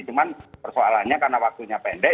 cuman persoalannya karena waktunya pendek